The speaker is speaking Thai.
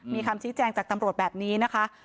มีคำชี้แจงจากตำรวจแบบนี้นะคะ